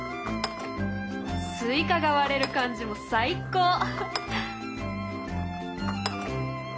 スイカが割れる感じも最高！